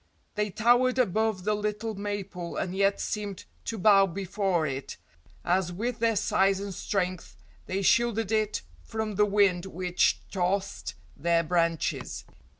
They towered above the little maple and yet seemed to bow before it, as with their size and strength they shielded it from the wind which tossed their branches.